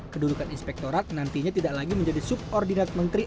kedudukan inspektorat nantinya tidak lagi menjadi subordinat menteri